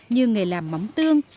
như nghề làm mắm tương